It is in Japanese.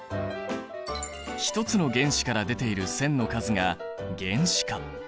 ひとつの原子から出ている線の数が原子価。